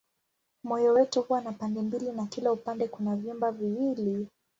Moyo wetu huwa na pande mbili na kila upande kuna vyumba viwili.